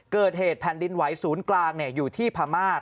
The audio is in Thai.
เกิดเหตุแผ่นดินไหวศูนย์กลางอยู่ที่พม่า